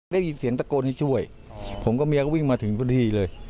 ได้ยินเสียงตะโกนให้ช่วยผมกับเมียก็วิ่งมาถึงพอดีเลย